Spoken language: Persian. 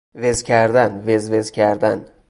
وزکردن وزوزکردن